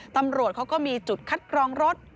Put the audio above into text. ตำรวจเขาก็มีจุดคัดกรองรถ